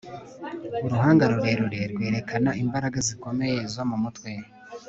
Uruhanga rurerure rwerekana imbaraga zikomeye zo mumutwe